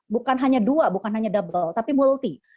bukan hanya dua bukan hanya double tapi multi